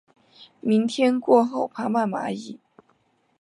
明天过后爬满蚂蚁